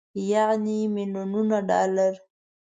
يعنې ميليونونه ډالر.